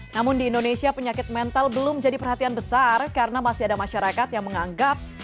namun di indonesia penyakit mental belum jadi perhatian besar karena masih ada masyarakat yang menganggap